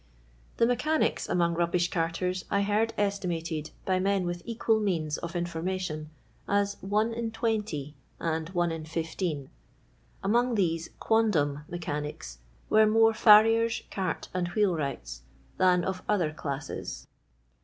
The mechanics among rubbish carters I heard estimated, by men with equal neans of inferxua tion, as one in twenty and one in fifteen. Among these quondam mechanics were more farriers, cart and wheel wrights, than of other classes.